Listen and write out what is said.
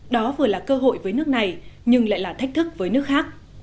đó vừa là cơ hội với nước này nhưng lại là thách thức với nước khác